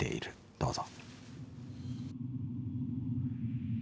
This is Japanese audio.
どうぞ。